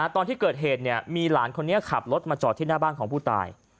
ตอนที่เกิดเหตุมีหลานคนนี้ขับรถมาจอดที่หน้าบ้านของผู้ตาย